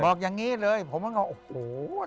บอกอย่างนี้เลยผมท่านก็เกิดโห